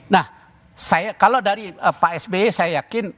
nah kalau dari pak sby saya yakin